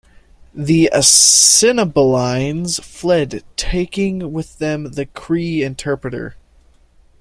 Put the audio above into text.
The Assiniboines fled, taking with them the Cree interpreter.